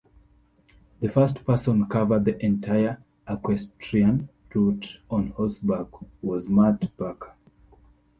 The first person cover the entire equestrian route on horseback was Matt Parker.